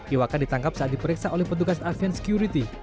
iwaka ditangkap saat diperiksa oleh petugas avian security